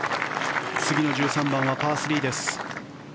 次の１３番はパー３です。